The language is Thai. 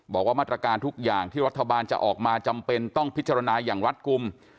บอกว่ามาตรการทุกอย่างที่รัฐบาลจะออกมาจำเป็นต้องพิจารณาอย่างรัฐกลุ่ม